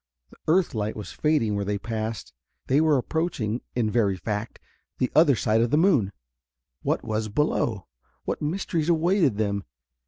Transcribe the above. The earth light was fading where they passed. They were approaching, in very fact, the other side of the moon. What was below? What mysteries awaited them?